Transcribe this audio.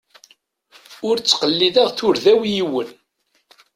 Ur ttqellideɣ turda-w i yiwen.